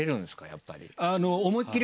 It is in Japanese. やっぱり。